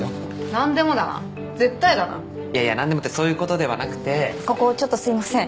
なんでもだな絶対だないやいやなんでもってそういうことではなくてここちょっとすいません